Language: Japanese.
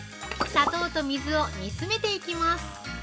砂糖と水を煮詰めていきます。